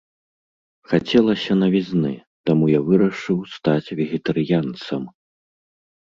Хацелася навізны, таму я вырашыў стаць вегетарыянцам.